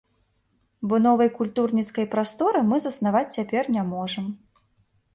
Бо новай культурніцкай прасторы мы заснаваць цяпер не можам.